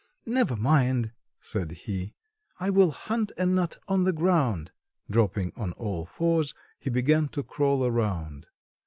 "Never mind," said he, "I will hunt a nut on the ground." Dropping on all fours he began to crawl around.